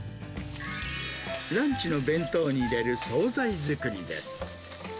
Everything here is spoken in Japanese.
ランチの弁当に入れる総菜作りです。